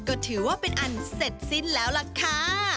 ก็ถือว่าเป็นอันเสร็จสิ้นแล้วล่ะค่ะ